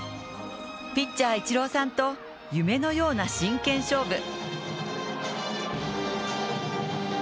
ピッチャー・イチローさんと夢のような真剣勝負。